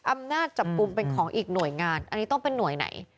อำนาจจับกลุ่มเป็นของอีกหน่วยงานอันนี้ต้องเป็นหน่วยไหน